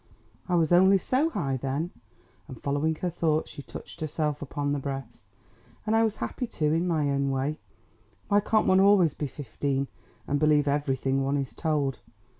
I was only so high then," and following her thoughts she touched herself upon the breast. "And I was happy too in my own way. Why can't one always be fifteen, and believe everything one is told?"